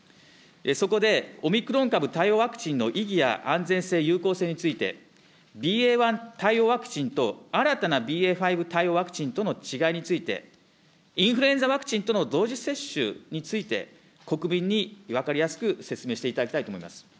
そこで、オミクロン株対応ワクチンの意義や安全性、有効性について、ＢＡ．１対応ワクチンと新たなＢＡ．５対応ワクチンとの違いについて、インフルエンザワクチンとの同時接種について、国民に分かりやすく説明していただきたいと思います。